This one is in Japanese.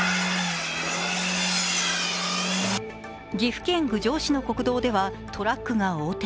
岐阜県郡上市の国道ではトラックが横転。